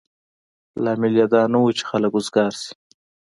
لامل یې دا نه و چې خلک وزګار شي.